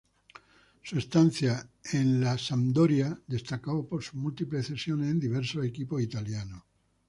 Su estancia en la Sampdoria destacó por sus múltiples cesiones en diversos equipos italianos.